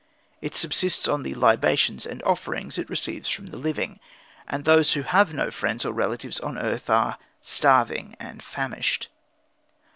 It subsists on the libations and offerings it receives from the living, and those who have no friends or relatives on earth are starving and famished.